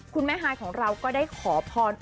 คุณแม่ฮายของเราก็ได้ขอพร